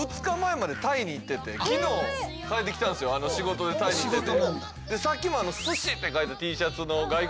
仕事でタイに行ってて。